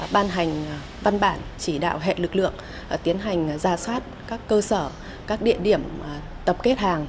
ban hành văn bản chỉ đạo hệ lực lượng tiến hành ra soát các cơ sở các địa điểm tập kết hàng